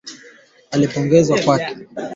wacha hamira imumuke kwa mda wa lisaa limoja